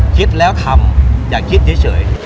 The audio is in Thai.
คิดแล้วทำอย่าคิดเฉย